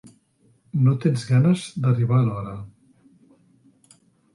No tens ganes d'arribar a l'hora.